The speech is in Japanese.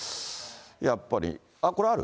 やっぱり、これある？